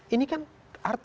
ini kan artinya